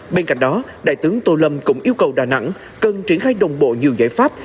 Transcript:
bên cạnh đó đại tướng tô lâm cũng yêu cầu đà nẵng cần triển khai đồng bộ nhiều giải pháp